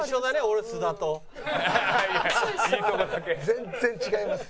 全然違います。